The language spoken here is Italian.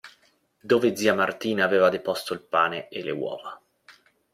Dove zia Martina aveva deposto il pane e le uova.